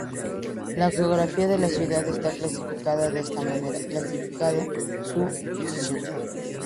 La geografía de la ciudad está clasificada de esta manera clasificando su posición.